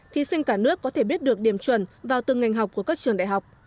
thí sinh cả nước có thể biết được điểm chuẩn vào từng ngành học của các trường đại học